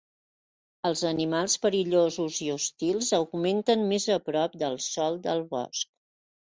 Els animals perillosos i hostils augmenten més a prop del sòl del bosc.